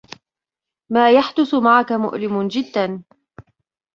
ما يحدث معك مؤلم جدّا.